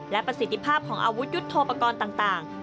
และประสิทธิภาพของอาวุธยุทธโปรกรณ์ต่าง